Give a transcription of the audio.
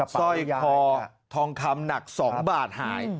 สร้อยคอทองคำหนัก๒บาทหาย